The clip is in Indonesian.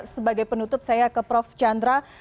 sebagai penutup saya ke prof chandra